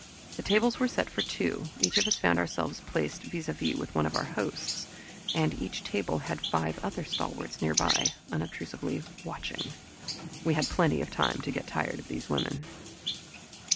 The tables were set for two; each of us found ourselves placed vis a vis with one of our hosts, and each table had five other stalwarts nearby, unobtrusively watching. We had plenty of time to get tired of those women!